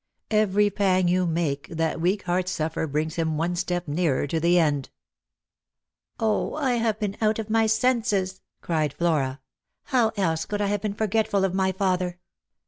Every pang you make that weak heart suffer brings him one step nearer to the end." " 0, 1 have been out of my senses," cried Flora ;" how else could I have been forgetful of my father